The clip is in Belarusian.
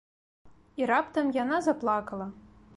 І раптам яна заплакала.